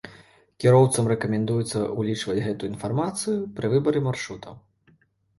Кіроўцам рэкамендуецца ўлічваць гэтую інфармацыю пры выбары маршрутаў.